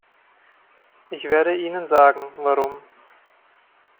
Ich werde Ihnen sagen, warum.